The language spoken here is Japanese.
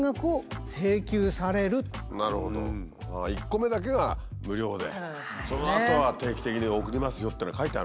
１個目だけが無料でそのあとは定期的に送りますよっていうのが書いてあるのね。